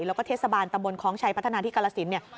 แล้วก็เทศบาลตำบลคล้องชัยพัฒนาที่กรสินเนี่ย